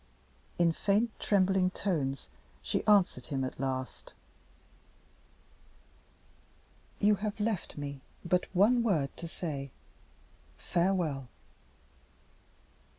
In faint trembling tones she answered him at last: "You have left me but one word to say. Farewell!"